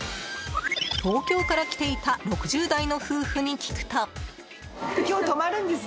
東京から来ていた６０代の夫婦に聞くと。